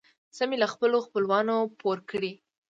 څه مې له خپلو خپلوانو پور کړې.